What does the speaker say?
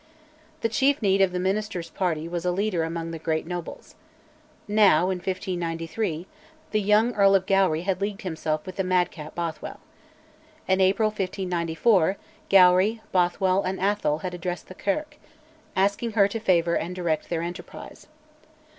The chief need of the ministers' party was a leader among the great nobles. Now, in 1593, the young Earl of Gowrie had leagued himself with the madcap Bothwell. In April 1594, Gowrie, Bothwell, and Atholl had addressed the Kirk, asking her to favour and direct their enterprise.